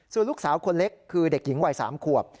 ส่วนลูกสาวคนเล็กคือเด็กหญิงวัย๓ขวบ